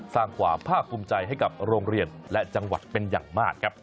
สร้างความภาคภูมิใจให้กับโรงเรียนและจังหวัดเป็นอย่างมากครับ